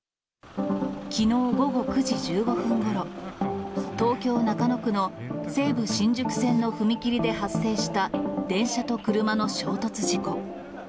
きのう午後９時１５分ごろ、東京・中野区の西武新宿線の踏切で発生した電車と車の衝突事故。